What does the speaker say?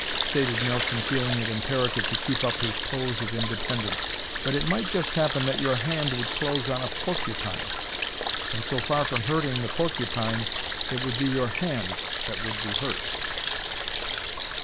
stated Nelson, feeling it imperative to keep up his pose of independence. "But it might just happen that your hand would close on a porcupine, and so far from hurting the porcupine it would be your hand that would be hurt."